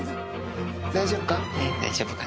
大丈夫か？